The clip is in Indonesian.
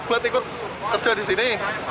buat ikut kerja di sini